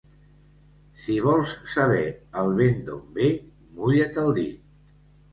Si vols saber el vent d'on ve, mulla't el dit.